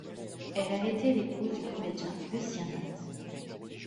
Elle a été l'épouse du comédien Lucien Nat.